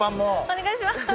お願いします。